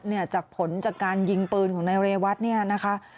จากผลจากการยิงปืนของนายเรวัตเนี่ยนะคะ